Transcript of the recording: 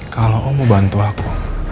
kalau mau bantu aku